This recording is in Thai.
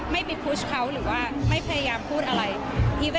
ไม่ไปโพสต์เขาหรือว่าไม่พยายามพูดอะไร